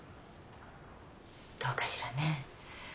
どうかしらね？